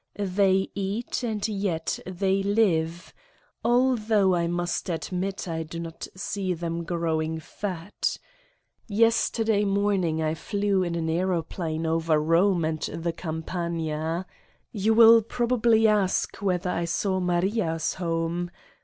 They eat and yet they live. Although, 50 Satan's Diary I must admit, I do not see them growing fat ! Yes terday morning I flew in an aeroplane over Eome and the Campagna. You will probably ask whether I saw Maria's home?